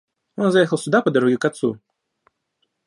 Он заехал сюда по дороге к отцу.